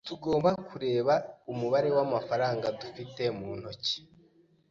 Tugomba kureba umubare w'amafaranga dufite mu ntoki.